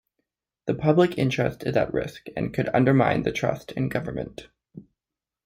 The public interest is at risk and could undermine the trust in government.